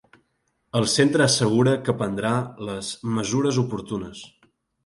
El centre assegura que prendrà les ‘mesures oportunes’.